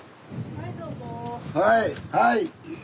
はいはい。